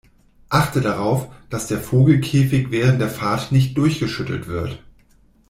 Achte darauf, dass der Vogelkäfig während der Fahrt nicht durchgeschüttelt wird!